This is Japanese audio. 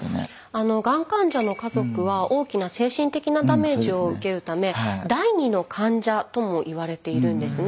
あのがん患者の家族は大きな精神的なダメージを受けるため「第２の患者」ともいわれているんですね。